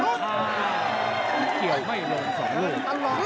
ต้องกลับไปต้องกลับไปต้องกลับไปต้องกลับไป